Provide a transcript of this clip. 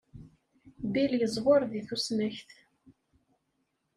Bill yeẓwer di tusnakt.